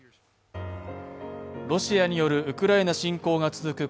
ロシアによるウクライナ侵攻が続く